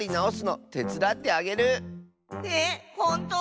えっほんと⁉